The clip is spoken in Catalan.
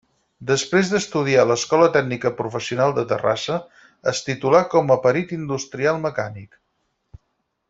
Després d'estudiar a l'Escola Tècnica Professional de Terrassa es titulà com a perit industrial mecànic.